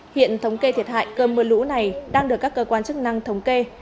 hiện thống kê thiệt hại cơm mưa lũ này đang được các cơ quan chức năng thống kê